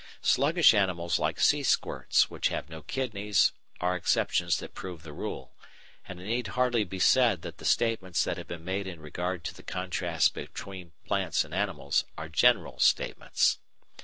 Sluggish animals like sea squirts which have no kidneys are exceptions that prove the rule, and it need hardly be said that the statements that have been made in regard to the contrasts between plants and animals are general statements.